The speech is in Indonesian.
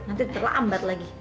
nanti terlambat lagi